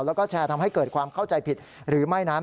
แล้วก็แชร์ทำให้เกิดความเข้าใจผิดหรือไม่นั้น